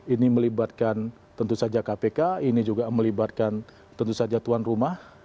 ini melibatkan tentu saja kpk ini juga melibatkan tentu saja tuan rumah